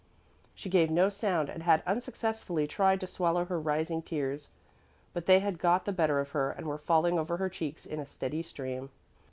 She gave no sound and had unsuccessfully tried to swallow her rising tears, but they had got the better of her and were falling over her cheeks in a steady stream.